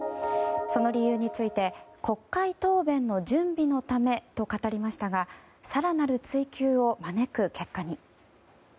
その理由について、国会答弁の準備のためと語りましたが更なる追及を招く結果に。